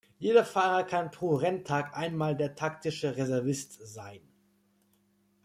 Jeder Fahrer kann pro Renntag einmal der taktische Reservist sein.